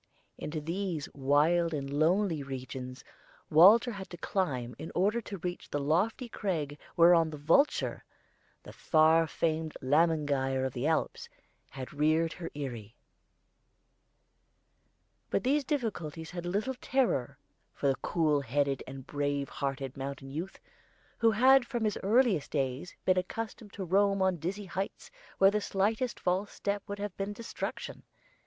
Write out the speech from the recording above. Into these wild and lonely regions Walter had to climb in order to reach the lofty crag whereon the vulture the far famed Lämmergeier of the Alps had reared her eyrie. But these difficulties had little terror for the cool headed and brave hearted mountain youth, who had from his earliest days been accustomed to roam on dizzy heights where the slightest false step would have been destruction.